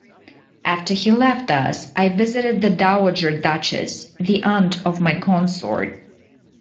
After he left us, I visited the Dowager Duchess, the aunt of my consort.